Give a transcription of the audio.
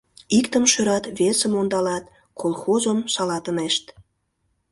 Иктым шӧрат, весым ондалат, колхозым шалатынешт.